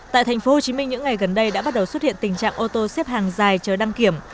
tại thành phố hồ chí minh những ngày gần đây đã bắt đầu xuất hiện tình trạng ô tô xếp hàng dài chờ đăng kiểm